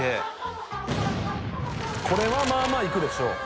これはまあまあいくでしょう。